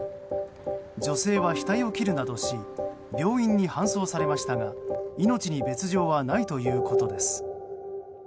女性は額を切るなどし病院に搬送されましたが命に別条はないということです。